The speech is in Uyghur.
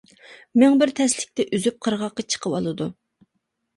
مىڭ بىر تەسلىكتە ئۈزۈپ قىرغاققا چىقىۋالىدۇ.